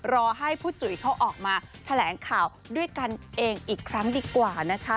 รอให้ผู้จุ๋ยเขาออกมาแถลงข่าวด้วยกันเองอีกครั้งดีกว่านะคะ